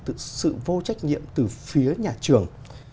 tôi muốn nhấn mạnh là sự vô trách nhiệm từ phía nhà trường